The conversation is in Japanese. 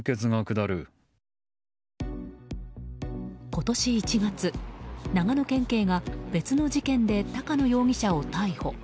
今年１月、長野県警が別の事件で高野容疑者を逮捕。